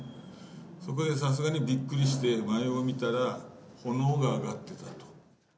そこでさすがにびっくりして前を見たら炎が上がってたと。